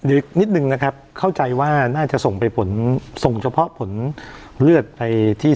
อีกนิดนึงนะครับเข้าใจว่าน่าจะส่งไปผลส่งเฉพาะผลเลือดไปที่